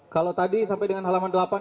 kalau tadi sampai dengan halaman delapan